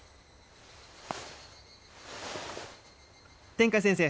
天海先生